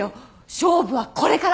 勝負はこれから。